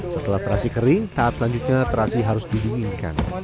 setelah terasi kering tahap selanjutnya terasi harus didinginkan